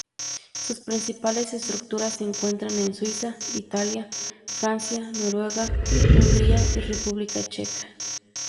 Sus principales estructuras se encuentran en Suiza, Italia, Francia, Noruega, Hungría y República Checa.